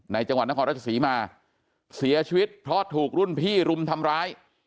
จังหวัดนครราชศรีมาเสียชีวิตเพราะถูกรุ่นพี่รุมทำร้าย